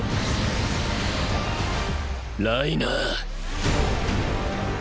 ライナー。